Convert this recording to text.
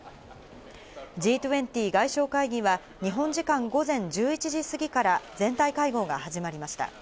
Ｇ２０外相会議は日本時間午前１１時過ぎから全体会合が始まりました。